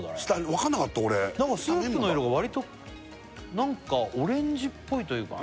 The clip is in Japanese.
わかんなかった俺スープの色が割と何かオレンジっぽいというかね